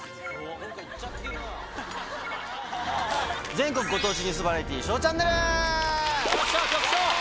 全国ご当地ニュースバラエティー『ＳＨＯＷチャンネル』！